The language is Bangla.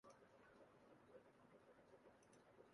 সবার বাড়িতে মেয়েছেলে থাকে, এর পর কে আর ডাকবে তোমায়?